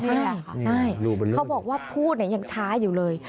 ใช่เขาบอกว่าพูดยังช้าอยู่เลย